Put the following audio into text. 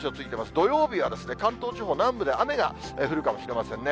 土曜日はですね、関東地方南部で雨が降るかもしれませんね。